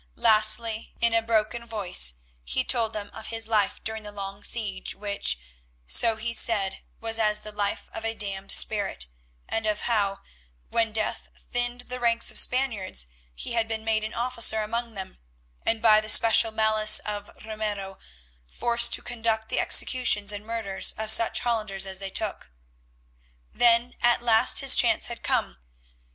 Lastly, in a broken voice, he told them of his life during the long siege which, so he said, was as the life of a damned spirit, and of how, when death thinned the ranks of the Spaniards, he had been made an officer among them, and by the special malice of Ramiro forced to conduct the executions and murders of such Hollanders as they took. Then at last his chance had come.